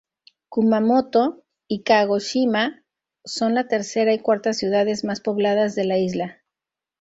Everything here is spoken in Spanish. Kumamoto y Kagoshima son las tercera y cuarta ciudades más pobladas de la isla.